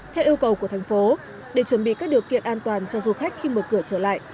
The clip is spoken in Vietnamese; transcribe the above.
theo yêu cầu của thành phố để chuẩn bị các điều kiện an toàn cho du khách khi mở cửa trở lại